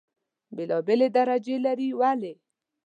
بېلې بېلې درجې لري. ولې؟